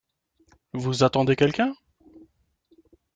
Vous attendez quelqu’un ?